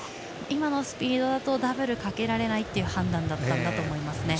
今のスピードだとダブルをかけられないという判断だったんだと思います。